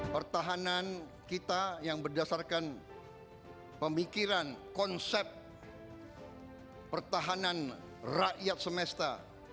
pertahanan kita yang berdasarkan pemikiran konsep pertahanan rakyat semesta